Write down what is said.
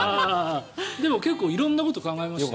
でも、結構色んなこと考えました。